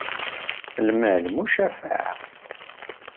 Lmal, mucafaɛ.